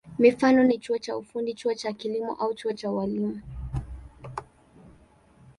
Mifano ni chuo cha ufundi, chuo cha kilimo au chuo cha ualimu.